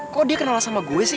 kok dia kenal sama gue sih